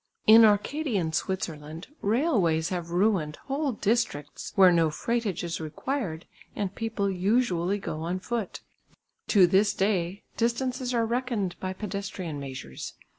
In Arcadian Switzerland railways have ruined whole districts where no freightage is required and people usually go on foot. To this day distances are reckoned by pedestrian measures.